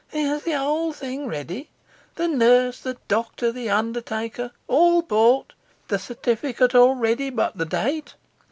He has the whole thing ready: the nurse, the doctor, the undertaker, all bought, the certificate all ready but the date!